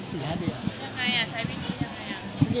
ใช้วิธียังไง